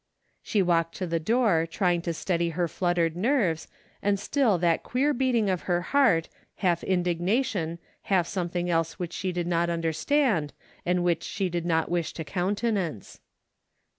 She walked to the door trying to steady her fluttered nerves, and still that queer beating of her heart, half indignation, half something else which she did not understand, and which she did not wish to countenance.